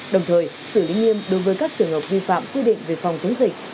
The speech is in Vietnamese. đồng thời xử lý nghiêm đối với các trường hợp vi phạm quy định về phòng chống dịch